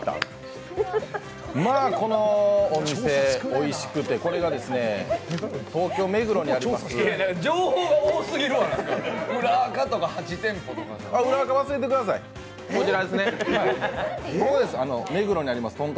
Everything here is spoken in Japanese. まあこのお店、おいしくてこれが東京・目黒にあります